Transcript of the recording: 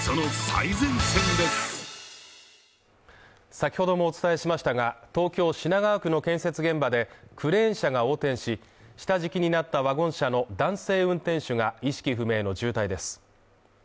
先ほどもお伝えしましたが、東京品川区の建設現場でクレーン車が横転し下敷きになったワゴン車の男性運転手が意識不明の重体です。